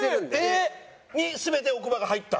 えっ！に全て奥歯が入った？